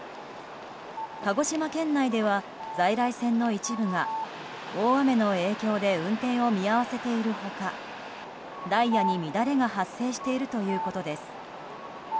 鹿児島県内では在来線の一部が大雨の影響で運転を見合わせている他ダイヤに乱れが発生しているということです。